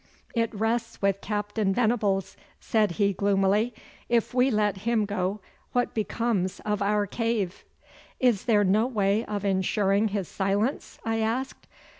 'It rests with Captain Venables,' said he gloomily. 'If we let him go what becomes of our cave?' 'Is there no way of insuring his silence?' I asked.